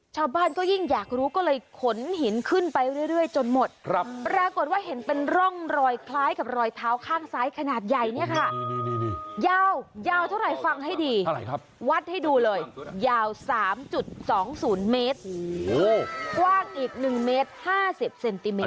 ชาวบ้านก็ยิ่งอยากรู้ก็เลยขนหินขึ้นไปเรื่อยจนหมดปรากฏว่าเห็นเป็นร่องรอยคล้ายกับรอยเท้าข้างซ้ายขนาดใหญ่เนี่ยค่ะยาวยาวเท่าไหร่ฟังให้ดีอะไรครับวัดให้ดูเลยยาว๓๒๐เมตรกว้างอีก๑เมตร๕๐เซนติเมต